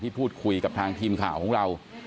พูดคุยกับทางทีมข่าวของเรา